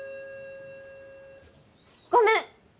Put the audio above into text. ごめん！